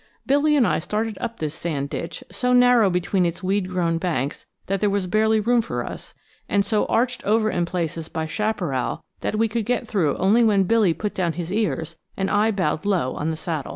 Billy and I started up this sand ditch, so narrow between its weed grown banks that there was barely room for us, and so arched over in places by chaparral that we could get through only when Billy put down his ears and I bowed low on the saddle.